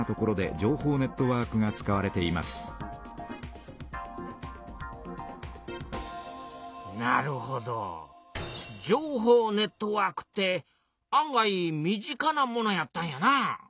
情報ネットワークって案外身近なものやったんやな。